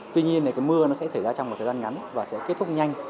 tuy nhiên là cái mưa nó sẽ xảy ra trong một thời gian ngắn và sẽ kết thúc nhanh